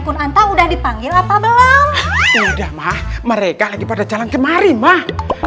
quran tahu udah dipanggil apa belum sudah mah mereka lagi pada jalan kemari mah